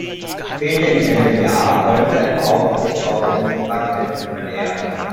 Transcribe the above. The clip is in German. Später im selben Jahr folgte ein Auftritt auf dem Wacken Open Air.